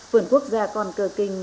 vườn quốc gia còn cờ kinh